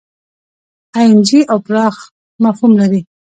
اېن جي او پراخ مفهوم لري.